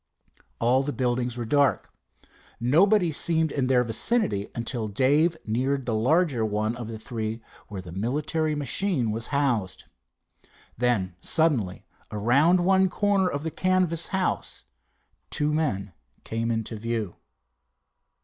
All the buildings were dark. Nobody seemed in their vicinity until Dave neared the larger one of the three where the military machine was housed. Then suddenly around one corner of the canvas house two men came into view.